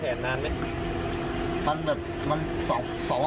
ให้ฟร่องแบบร่อง๑หนึ่ง๔ฮิต